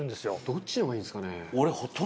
「どっちの方がいいんですかね？」